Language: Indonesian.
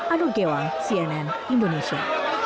anu gewang cnn indonesia